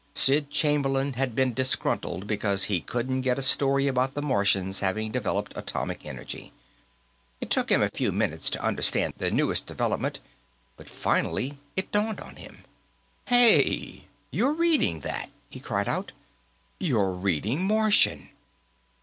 Sid Chamberlain had been disgruntled because he couldn't get a story about the Martians having developed atomic energy. It took him a few minutes to understand the newest development, but finally it dawned on him. "Hey! You're reading that!" he cried. "You're reading Martian!"